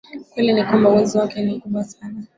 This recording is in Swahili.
Ukweli ni kwamba uwezo wake ni mkubwa sana